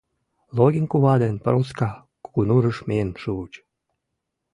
Логин кува ден Проска Кугунурыш миен шуыч.